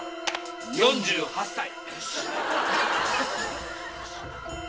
４８歳。